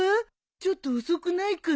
ちょっと遅くないかな？